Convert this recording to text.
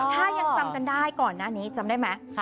ถ้ายังจำกันได้ก่อนหน้านี้จำได้ไหม